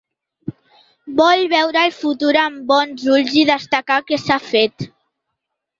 Vol veure el futur amb bons ulls i destacar què s’ha fet.